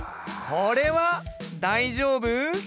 これは大丈夫？